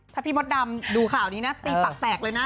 ถ้าพี่มดดำดูข่าวนี้นะตีปากแตกเลยนะ